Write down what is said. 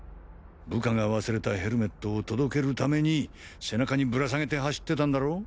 部下が忘れたヘルメットを届けるために背中にぶら下げて走ってたんだろ？